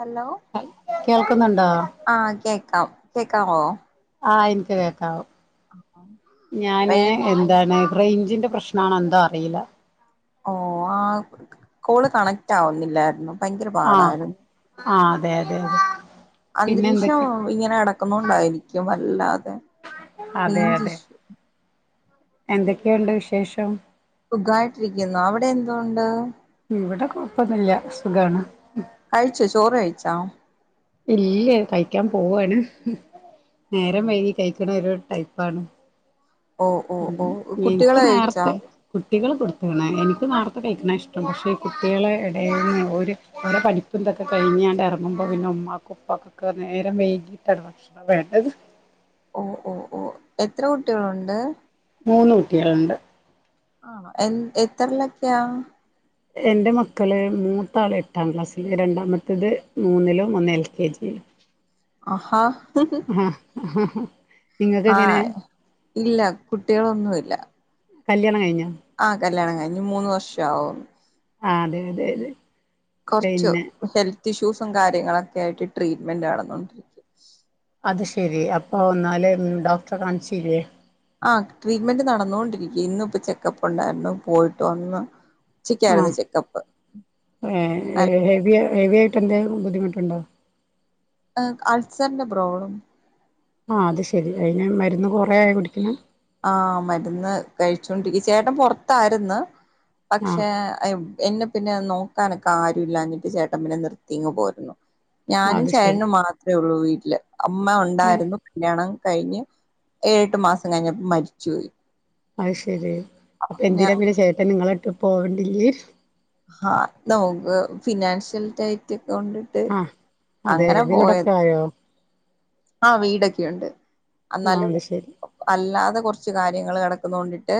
Hello കേൾക്കുന്നുണ്ടോ ക്കാം കേക്കാവോ? ആ എനിക്ക് കേക്കവും. ഞാന് റെയിൻ എന്താണ്? റേഞ്ചിന്റെ പ്രശ്നണ എന്താ അറിയില്ല. ഓ ആഹ് കോള് കണക്റ്റ് ആവുന്നില്ലായിരുന്നു. ഭയങ്കര ആഹ് പാടായിരുന്നു. ആഹ് അതെ അതെ അതെ. പിന്നെ അന്തരീക്ഷം എന്തൊക്കെ ഇങ്ങനെ കടക്കുന്നുണ്ടായിരിക്കും. ല്ല റേഞ്ച് ഇഷ എന്തൊക്കെണ്ട് വിശേഷം? സുഖമായിട്ടിരിക്കുന്നോ അവിടെ എന്തൊണ്ട്? ഇവിടെ കൊഴപ്പൊന്നില്ല സുഖാണ്. കഴിച്ച ചോറ് കഴിച്ചാ? ഇല്ല കഴിക്കാൻ പോവാണ്. നേരം ആണോ വയുകി കഴിക്കണ ഒരു ടൈപ്പാണ്. ഓ ഓ ഉം ഓ എനിക്ക് കുട്ടികള് കഴിച്ചോ നേരത്തെ കുട്ടികള് കൊടു ണ് എനിക്ക് നേർത്തെ കഴിക്കണ ഇഷ്ടം പക്ഷേ ഈ കുട്ടികളെ ഇടയിൽന്ന് ഒരുഓരടെ പഠപ്പ് എന്തൊക്കെ കഴിഞ്ഞാണ്ട് ഇറങ്ങുമ്പോൾ പിന്നെ ഉമ്മ കുപ്പക്കൊക്കെ നേരം വേങ്ങിട്ട ഭക്ഷണ വേണ്ടത്. ഓ ഓ ഓ എത്ര കുട്ടികളുണ്ട്? മൂന്ന് കുട്ടികളുണ്ട്. ആഹ് എ എത്രല്ലൊക്കെയാ? എന്റെ മക്കള് മൂത്ത ആള് എട്ടാം ക്ലാസ്സില് രണ്ടാമത്തേത് മൂന്നിലും ഒന്ന് എൽ കെ ജിയില. അഹാ [unintelligible] ഉം ആഹ് ഇല്ല കുട്ടികളൊന്നുല്ല. കല്യാണം കയ്ഞ്ഞ? ആഹ് കല്യാണം കഴിഞ്ഞ് മൂന്ന് വർഷ [unintelligible] ആഹ് അതെ തെ തെ കൊർച്ചു ഹെൽ ത്തിഷ്യൂസും കാര്യങ്ങളെക്കെ ആയിട്ട് ട്രീറ്റ്മെന്റണ് തോന്നുന്നു അത് ശരി അപ്പോ എന്നാല് ഡോക്ടറെ കാണിച്ചീലെ? ആ ട്രീറ്റ്മെന്റ് നടന്നൊണ്ടിരിക്ക ഇന്നുപ്പ ചെക്കപ്പ് ഒണ്ടാര്ന്നു പോയിട്ട് വന്ന് ഉച്ചക്കായിരുന്നു ചെക്കപ്പ് ആഷ്ഏ ഹെ ഹെവിയ ഹെവി ട്ടെന്തേലു ബുദ്ധിമുട്ട്ണ്ടോ? അ് അൾസർന്റ പ്രോബ്ലം ആഹ് അത് ശെരി അയിന് മരുന്ന് കൊറേ ആയോ കുടിക്ക്ണ് ആ മരുന്ന് കഴിച്ചോണ്ടിരി ചേട്ടം പൊറത്താര്ന്ന് പക്ഷെ ആഹ് അയ് വ് എന്നെ പിന്നെ നോക്കാനൊക്കെ ആരും ഇില്ലാഞ്ഞിട്ട് ചേട്ടൻ പിന്നെ നിർത്തിങ്ങ് പോന്നു ഞാനും അത് ശരി ചേട്ടനും മാത്ര ഉള്ളൂ വീട്ടിൽ [inaudible] അമ്മ ഏഹ് ഉണ്ടായിരുന്നു കല്യാണം കഴിഞ്ഞ് ഏഴട്ട് മാസം കഴിഞ്ഞ് മരിച്ചു പോയി അഹ് ശെരി എന്തിനാ പിന്നെ ചേട്ടൻ നിങ്ങളെ പോവാണ്ടില്ലേ ആ നോക്ക് ഫിനാൻഷ്യൽടൈറ്റ് ആ അതെ വീടൊക്കെ പോയത് ആയോ ആ വീടൊക്കെയുണ്ട് ആഹ് എന്നാലും അത് ശരി അല്ലാതെ കുറച്ച് കാര്യങ്ങൾ കിടക്കുന്നതുകൊണ്ടിട്ടു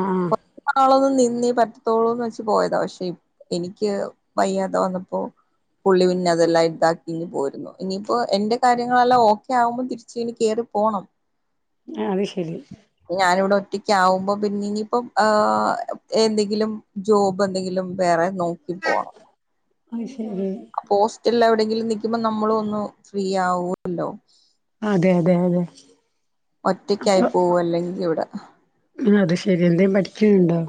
ആഹ് കൊ നാളൊന്നും [unintelligible] ന്നെ പറ്റത്തോളൂന്ന് വെച്ച് പോയതാ പക്ഷെ എനിക്ക് വയ്യാതെ വന്നപ്പോ പുള്ളി പിന്നെ അതെല്ലാം ഇതാക്കി പോരുന്നു ഇനിയിപ്പോ എന്റെ കാര്യങ്ങളെല്ലാം ഓക്കെ ആകുമ്പോ തിരിച്ച് ഇനി കേറി പോണം ആഹ് അത് ശ ഞാൻ ഇവിടെ ഒ റ്റക്ക് ആവുമ്പോ പിന്നെ ഇനിയിപ്പം ഏഹ് ഏന്തെങ്കിലും ജോബ് എന്തെങ്കിലും വേറെ നോക്കി പോണം അത്ശ അപ്പോ ഓസ്റ്റൽല് എവിടെ ന്നില് നിക്കുമ്പം നമ്മളു ഒന്നു ഫ്രീ ആവുല്ലോ അതെ അതെ അതെ ഒറ്റക്കായി പോവു അല്ലെങ്കി ഇവിടെ ഹ ആ അത് ശെരി എന്തേം പഠിക്കിണ് ണ്ടോ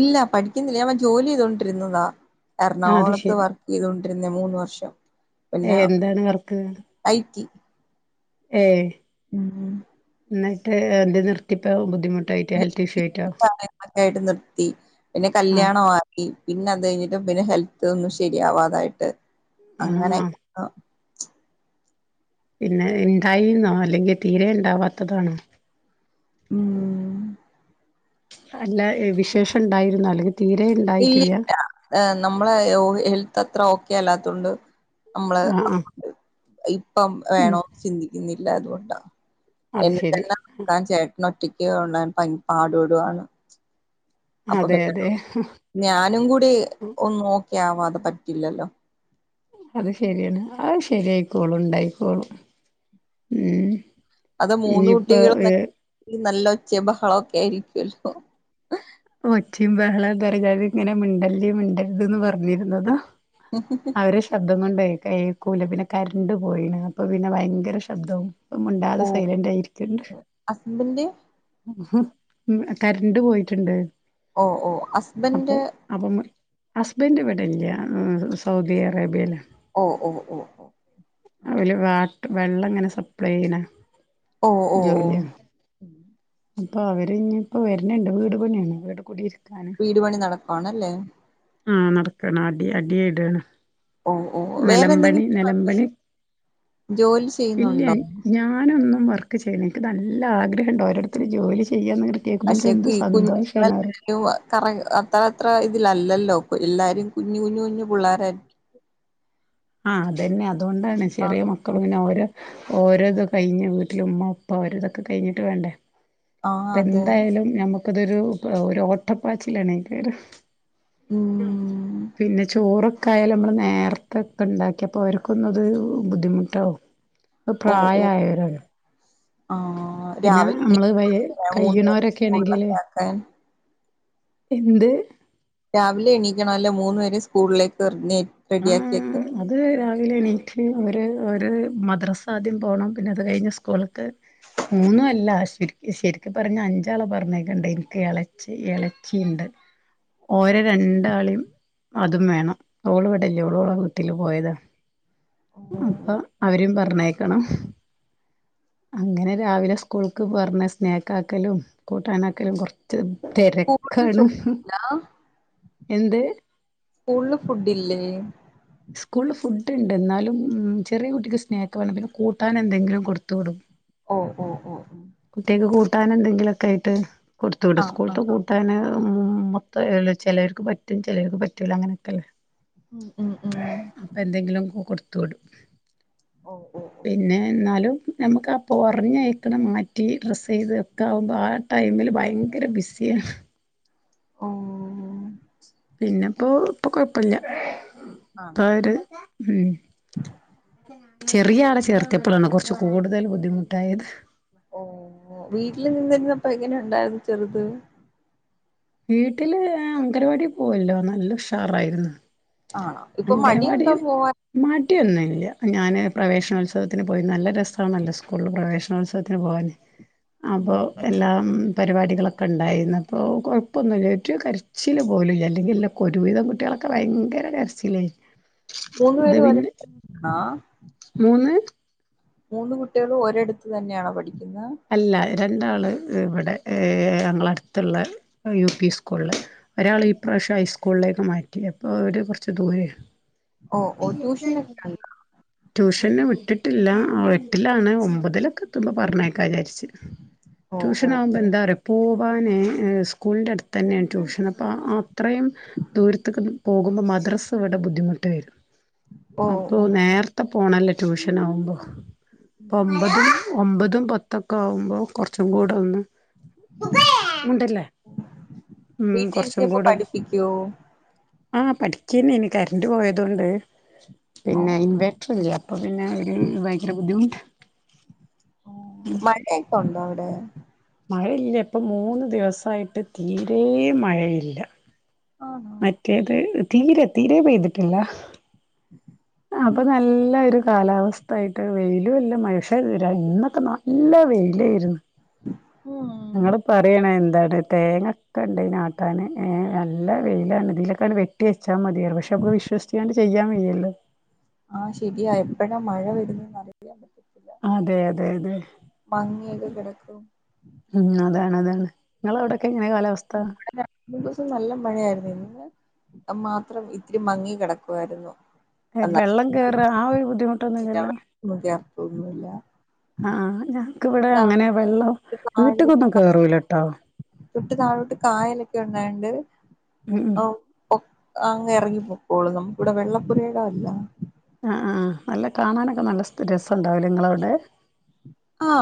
ഇല്ല പഠിക്കുന്നില്ല ഞാൻ [unintelligible] ജോലി ചെയ്തോണ്ടിരുന്നതാ ആഹ് അത് എറണാകുളത്ത് ശരി വർക്ക് ചെയ്തോ ഇരുന്നെ മൂന്ന് വർഷം പിന്നെ ഏഹ് എന്താണ് വർക്ക് ഐ ടി ഏഹ്. ഉം ന്നട്ട് എന്ത്യേ നിർത്തി പ്പോ ബുദ്ധിമുട്ട് [unintelligible] യിട്ട് നിർത്തി പിന്നെ ആഹ് കല്യാണാക്കി. പിന്നെ അത് കഴിഞ്ഞപ്പം പിന്നെ ഹെൽത്ത് ഒന്നും ശരിയാവാതായിട്ട് ആഹ് അങ്ങനെയക്കെ പിന്നെ ഉണ്ടായിന്നോ അല്ലെങ്കിൽ തീരെ ഉണ്ടാവാത്തതാണോ ഉം അല്ല വിശേഷം ഉണ്ടായിരുന്നു അല്ലെങ്കിൽ തീരെ ഇല്ല ഇണ്ടായിട്ടില്ല ഇല്ല നമ്മളെ ഓ ഹെൽത്തത്ര ഓ കേല്ലാത്തോണ്ട് നമ്മള് ആഹ് ആഹ് [unintelligible] ഇപ്പം ഉം വേണോ ചിന്തിക്കുന്നി ഇല്ല അതുകൊണ്ടാ അത് എന്നെ ശരി തന്നെ [unintelligible] ചേട്ടനൊറ്റ [unintelligible] പൻ പാട് പെടുവാണ്. അപ്പൊ അതെ അതെ [unintelligible] ഞാനും കൂടി ഒന്നോക്കെയാവാതെ പറ്റില്ലല്ലോ അത് ശരിയാണ് അഹ് ശരിയായിക്കോളും ഉണ്ടായിക്കോളും ഉം അത് മൂന്ന് ഇനിയിപ്പോ കുട്ടികൾന്ന [unintelligible] ഏഹ് നല്ല ഒച്ചയും ബഹളൊക്കെ ആയിരിക്കുവല്ലോ. ഒച്ചിം ബഹള [unintelligible] ഇങ്ങനെ മിണ്ടല്ലി മിണ്ടര്ത് ന്ന് പറഞ്ഞിരുന്നതാ. അവരെ ശബ്ദം കൊണ്ടെയ്, കേക്കൂല പിന്നെ കര്ണ്ട് പോയിണ് അപ്പൊ പിന്നെ ഭയങ്കര ശബ്ദവും പ്പ ഓ മുണ്ടാതെ സൈലന്റ് ആയിരിക്ക്ണ്ട് ഹസ്ബൻഡ് ഉം കര്ണ്ട് പോയിട്ടുണ്ട് ഓ ഓ ഹസ്ബൻ് അപ്പൊ അപ്പം ഹസ്ബൻഡ് ഇവിടെല്ല സൗദി അറേബ്യല ഓ ഓ ഓ ഓ വെള്ളങ്ങനെ സപ്ലൈ ചെയ്യണ ഓ ഓ ഓ ജോല്യാ അപ്പൊ അവര് ഇപ്പ വര്ന്ണ്ട് വീട് പണിയാണ് വീട് കുടിര് വീടുപണി നടക്കുവാണ് ല്ലെ ആഹ നടക്കാണ് അടി അടി ഇടൽ ഓ ഓ വേറെ നെലമ്പണി എന്തെങ്കിലും നെലമ്പണി ജോലി ഇല്ല ചെയ്യുന്നുണ്ടോ ഞാനൊന്നും വർ ക്ക് ചെയ്യന്ക്ക് ൻക്ക് നല്ല ആഗ്രഹണ്ട് ഓരോരുത്തര് ജോലി ചെയ്യണ് പക്ഷെ ഈ കുഞ്ഞു കറ അത്ര അത്ര തിലല്ലല്ലോ പ്പൊ എല്ലാരും കുഞ് കുഞ്ഞു കുഞ്ഞ് പിള്ളോരായി ആഹ അതെന്നെ അ അതുകൊണ്ടാണ് ആ ചെറിയ മക്കളും പിന്നെ ഓരെ ഓരോത് കഴിഞ്ഞ് വീട്ടിൽ ഉമ്മ ഉപ്പ അവരെതൊക്കെ കഴിഞ്ഞിട്ട് വേണ്ടേ ആഹ് അപ്പ അതെ എന്തായാലും നമ്മ ഇപ്പ ഇതൊരു ഒരു ഓട്ടപ്പാച്ചിലാണെക്കാരം ഉം പിന്നെ ചോറൊ ക്കായാൽ നമ്മള് നേരത്തെ ഒക്കെ ഇണ്ടാക്കിയപ്പോ അവർക്കൊന്നത് ബുദ്ധിമുട്ടാവും ഓ ഓ പ്രായായോരാണ് ആഹ് പിന്നെ രാവിലെ നമ്മള് വ എണീക്കണോ മൂന്ന് പേരെ കയ്യ്ണോരൊക്കെ ആണെങ്കില് സ്കൂളിലൊക്കെ ആക്കാൻ എന്ത് രാവിലെ എണീക്കണല്ലേ മൂന്ന പേരെ സ്കൂളിലേക്ക് [unintelligible] ആ വെക്കാൻ അത് രാവിലെ എനിക്ക് അവര് ഒരു മദ്രസ ആദ്യം പോകണം പിന്നെ അത് കഴിഞ്ഞ് സ്കൂൾ മൂന്നും അല്ല ശരിക്ക പറഞ്ഞാ അഞ്ചാളെ പറഞ്ഞേക്കാണ്ട് എനിക്ക് ഇളച്ചി ഇളച്ചിണ്ട് ഓരെ രണ്ടാളീം അതും വേണം തോള് വല്ല്യോൾ ഓളെ വീട്ടില് പോയതാ അപ്പൊ അവരും പറഞ്ഞേ ക്കണം അങ്ങനെ രാവിലെ സ്കൂൾക്ക് പറഞ്ഞ സ്നേക്ക് ആക്കലും കൂട്ടാനാക്കലും കൊർച്ച് സ്കൂളില് തെരക്കാണ് ചോറില്ല എന്ത് സ്കൂളില് ഫുഡ് ഇല്ലേ സ്കൂളിൽ ഫുഡ് ഇന്നാലും ഉ ചെറിയ കുട്ടിക്ക് സ്നാക്ക വേണം പിന്നെ കൂട്ടാൻ എന്തെങ്കിലും കൊടുത്തു വിടും ഓ ഓ ഓ ഓ കുട്ടിയക്ക് കൂട്ടാൻ എന്തെങ്കിലും ഒക്കെ ആയിട്ട് കൊടുത്ത്ടും ആഹ് സ്കൂൾത്തെ ആഹ് കൂട്ടാൻ ഉ മൊത്തമള്ള ചേലോർക്ക് ക്ക് പറ്റും ചേലോർക്ക് പറ്റൂല അങ്ങനെയൊക്കെല്ലേ ഉം ഉം ഉം അപ്പൊ എന്തെങ്കിലും കൊടു ത്തൊടു ഓ ഓ പിന്നെ എന്നാലും നമുക്ക് ആ പൊറഞ്ഞയക്കണേ മറ്റ റ്റീ ഡ്രസ് ചെയ്തൊക്കെ ആകുമ്പോൾ ആ ടൈമിൽ ഭയങ്കര ബിസ്സിയാ ഓ പിന്നെപ്പോ ഇപ്പൊ കൊ- പ്പല്ല ആണോ ഇപ്പവര് ഉ ചെറിയ ആളെ ചേർത്തിയപ്പളാണ് കൊർ ച്ച് കൂടുതൽ ബുദ്ധിമുട്ടായത് അപ്പൊ എങ്ങനെ ഉണ്ടായിരുന്നു ചെറുത് വീട്ടില് അംഗൻവാടി പോവല്ലോ നല്ല ഉഷാറായിരുന്നു ആണോ ഇപ്പൊ മടിയുണ്ടോ അംഗനവാടിയും പോവാൻ മടി യൊന്നുംല്ല ഞാന് പ്രവേശനോത്സവത്തിന് പോയി നല്ല രസ സണല്ലോ സ്കൂളിൽ പ്രവേശന ഉത്സവം ഞങ്ങളുവനേ അപ്പൊ ഉം ഉം എല്ലാം പരിപാടികളൊക്കെ ഉണ്ടായിരുന്നു അപ്പോൾ കുഴപ്പൊന്നുമില്ല ഒരു കരച്ചിൽ പോലില്ല അല്ലെങ്കിൽ എല്ല ഒരു വീതം കുട്ടികളൊക്കെ ഭയങ്കര കര ച്ചില് മൂന്നുപേരും ഓരെടുത്ത് തന്നാണോ മൂന്ന് മൂന്ന് കുട്ടികൾ ഒരിടുത്ത് തന്നെയാണ പഠി അല്ല രണ്ടാള് ഇവിടെ ഞങ്ങള അടുത്തുള്ള യു പി സ്കൂളിൽ ഒരാൾ ഈ പ്രാവശ്യം ഹൈസ്കൂളിലേക്ക് മാറ്റി അപ്പോൾ അവര് കുറച്ച് ദൂര ഓ ഓ ട്യൂഷന ഒക്കെയുണ്ടോ ട്യൂഷന് വിട്ടിട്ടില്ല എട്ടിലാണ് ഒമ്പതിലൊക്കെ ത്തുമ്പൾ പറഞ്ഞേക്കാ വിചാരിച്ച് ഓ ഓ ട്യൂഷന ആകുമ്പോൾ ഓ എന്താ പോകുമ്പ പ്പാ അങ്ങനെ സ്കൂളിൻ്റെ അടുത്ത് തന്നെയാണ് ട്യൂഷൻ അപ്പം ആ അത്രയും ദൂരത്തക്ക് പോകുമ്പൾ മദ്രസ് ഇവിടെ ബുദ്ധിമുട്ട് വരും ഓ ഓ അപ്പൊ ഓ. ഉം ഉം. നേരത്തെ പോണല്ലേ ട്യൂഷന ആകുമ്പോൾ ഒമ്പതും ഒമ്പതും പത്തൊക്കെ ആകുമ്പോൾ കുറച്ചും കൂടെ ഒന്ന് മുണ്ടല്ലേ ഉം കൊറച്ചും വീട്ടിലിരുത്തിയപ്പോ കൂടെ പഠിപ്പിക്കോ ആ പഠിക്കന്നെ ഇന് കറണ്ട് പോയത കൊണ്ട് പിന്നെ ഇൻവേർട്ടർ ഇല്ലഅപ്പൊ പിന്നെ ഒരു ഭയങ്കര ബുദ്ധിമുണ്ട് ഓ മഴയൊക്കെ ഉണ്ടോ അവിടെ മഴയില്ല ഇപ്പം മൂന്ന് ദിവസമായിട്ട് തീരെ മഴയില്ല ആണോ മറ്റേത് തീരെ തീരെ പെയ്തിട്ടില്ല അപ്പൊ നല്ല ഒരു കാലാവസ്ഥ ആയിട്ട് വെയിലും ഇല്ല മനുഷ തീരാ ഇന്നൊക്കെ നല്ല വെയിലായിരുന്നു ഉം ഞങ്ങള് പറയണ എന്താണ് തേങ്ങൊക്കെ ഉണ്ട് ഈ ആട്ടാൻ ഏ നല്ല വെയിലാണ് ഇതിലൊക്കൊണ് വെട്ടി വെച്ച മതിയായിരുന്നു പക്ഷേ വിശ്വസിച്ചാണ്ട് ചെയ്യാൻ വയ്യല്ലോ ആഹ ശരിയായ ഇപ്പോഴ മഴ വരുന്നത് അറിയ പറ്റും അതെ അതെ അതെ മങ്ങിയൊക്കെ കിടക്കും ഉ അതാണ്ത നിങ്ങള അവ്ടൊക്കെ എങ്ങനെ കാലാവസ്ഥ മൂന്ന്സം നല്ല മഴയായിരുന്നു ഇന്ന് മാത്രം ഇത്തിരി മങ്ങി കിടക്കുവായിരുന്നു. എന്നാലും ബെള്ളം കേറ് ആ ഒരു ബുദ്ധിമു ട്ടൊ ന്നുല്ലല്ലോ? ഒന്നൂല്ല അ ആ ഞങ്ങക്ക്വ്ടെ അങ്ങനെ വെള്ളം താഴോട്ട് താഴോട്ട് വീട്ട്ക്കൊന്നും കേറൂലട്ടോ തൊട്ട് താഴോട്ട് കായലൊക്കെ ഉണ്ടായോണ്ട് ഉം ഉം ഓ ഒ അങ്ങെ എറങ്ങി പൊക്കോളും നമുക്കിവിടെ വെള്ളപ്പുരയിടം അല്ല. ആ ആ നല്ല കാണാനൊക്കെ നല്ല സ്ഥ രസണ്ടാവുല്ലെ നിങ്ങളവിടെ ആ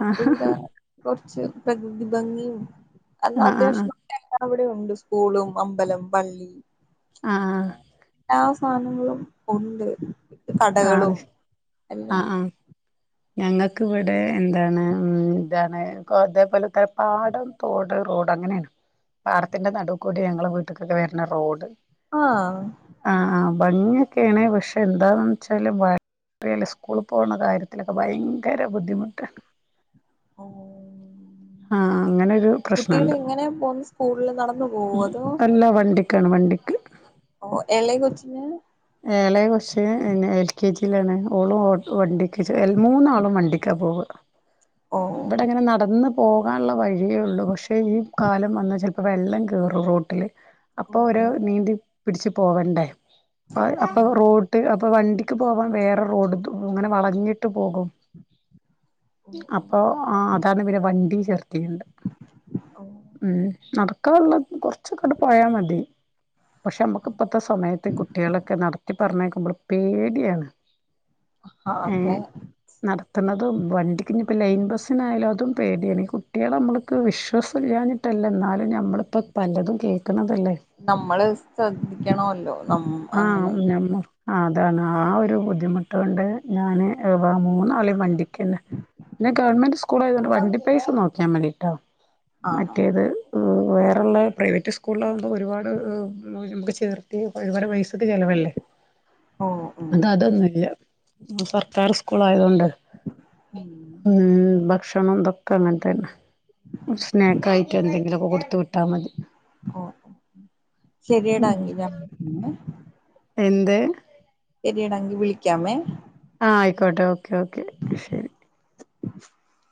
ആ ഇവിടെ കൊർച്ച് പ്രകൃതി ഭംഗിയിം എന്നാ ആ ആ അത്യാവശ്യം [unintelligible] ഇവിടെ ഉണ്ട്. സ്കൂളും അമ്പലം, പള്ളി. ആ എല്ലാ സാധനങ്ങളും ഉണ്ട്. കടകളും അതെ ആ എല്ലാം ആ ഞങ്ങൾക്ക് ഇവിടെ എന്താണ് ഉം ഇതാണ് ഇതേ പോലെ പാടം തോട് റോ അങ്ങനെയാണ്. പാടത്തിന്റെ നടൂ കൂടി ഞങ്ങളെ വീട്ടിക്കൊക്കെ വരുന്ന റോഡ് ആഹ് ഭംഗിയൊക്കെ ആണ് പക്ഷെ എന്താ വച്ചാലും വ സ്കൂള് പോകണ കാര്യത്തിലൊക്കെ ഭയങ്കര ബുദ്ധിമുട്ടാ. ഓ ആഹ് അങ്ങനൊരു പ്രശ്നണ്ട് പോന്ന് സ്കൂളിൽ നടന്നു പോവോ അതോ അല്ല വണ്ടിക്കാണ് വണ്ടി ഓ എളേ കൊച്ചിന് എളെ കൊച്ച് എ എൽ കെ ജി ലാണ് ഓളും വണ്ടിക്ക് മൂന്നാളും വണ്ടിക്കാ പോവാ. ഓ ഇവിടെ അങ്ങനെ നടന്ന് പോകാനുള്ള വഴിയേ ഉള്ളൂ പക്ഷേ ഈ കാലം വന്നാൽ ചിലപ്പോൾ വെള്ളം കേറും റോട്ടിൽ ഓ അപ്പൊ ഓര് ഓ നീന്തി പിടിച്ചു പോവണ്ടേ ആയ് ആ അപ്പൊ റോഡ് അപ്പൊ വണ്ടി ക്ക് പോവാൻ വേറെ റോഡ് [unintelligible] ഇങ്ങനെ വളഞ്ഞിട്ട് പോകും ഓ ഓ ഇണ്ട് ഓ ഉം നടത്തി ക്ക വന്ന് കൊറ കൊറച്ചങ്ങട് പോയാൽ മതി പക്ഷെ നമ്മുക്ക് ഇപ്പത്തെ സമയത്ത് കു നടത്തി പറഞ്ഞേക്കുമ്പോൾ പേടിയാണ് ആ ഏ അതെ നടത്തുണതും വണ്ടിക്കിഞ്ഞിപ്പോ ലൈൻ ബസ് പിന്നായാലും അതും പേടിയാണ് കു കുട്ടികളെ നമ്മൾക്ക് വിശ്വാസമില്ലാ ട്ടില്ല എന്നാ നമ്മളിപ്പോ പലതും കേ നമ്മള് ശ്രദ്ധിക്കണോല്ലോ അം അങ്ങനെ അങ്ങനെ ആ അതാണ് ആ ഒരു ബുദ്ധിമുട്ട് കൊണ്ട് ഞാൻ വ മൂന്നാളി വണ്ടി പിന്നെ ഗവൺമെന്റ് സ് സ്കൂൾ ആയതൊണ്ട് വണ്ടി പൈസ നോക്കിയാ മതിട്ടോ ആണോ മറ്റേത് വേറെ അള്ളെ പ്രൈവറ്റ് സ്കൂളിലാകുമ്പോൾ ഒരുപാട് നമുക്ക് ചേർത്തി ഒരുപാട് പൈസക്ക് ചിലവല്ലേ ഓ ഉം ഇത് അതൊന്നും ഇല്ല സർക്കാർ സ്കൂൾ ആയതുകൊണ്ട് ഉം ഉം ഭക്ഷണതൊ ഒക്കെ അങ്ങനെ തന്നെ സ്നാക്ക് ആയിട്ട് എന്തെങ്കിലുമൊക്കെ കൊടുത്ത് വിട്ടാ മതി ഓ ശരിയടാ ഉം എങ്കി [unintelligible] എന്ത് ശരിയടാ എങ്കി വിളിക്കാമേ ആഹ ആയിക്കോട്ടെ ഓക്കെ ഓക്കെ ശരി [inaudible]